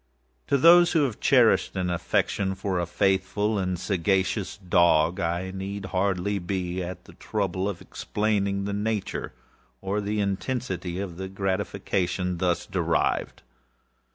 To those who have cherished an affection for a faithful and sagacious dog, I need hardly be at the trouble of explaining the nature or the intensity of the gratification thus derivable.